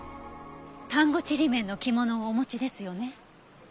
丹後ちりめんの着物をお持ちですよね。